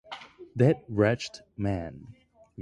That wretched man.